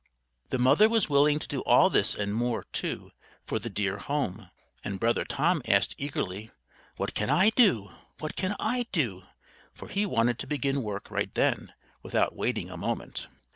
The mother was willing to do all this and more, too, for the dear home; and Brother Tom asked eagerly: "What can I do? what can I do?" for he wanted to begin work right then, without waiting a moment.